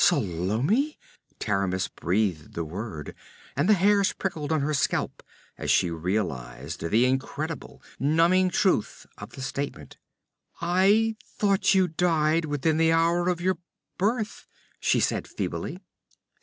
'Salome!' Taramis breathed the word, and the hairs prickled on her scalp as she realized the incredible, numbing truth of the statement. 'I thought you died within the hour of your birth,' she said feebly.